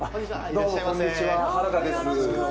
どうもこんにちは原田です。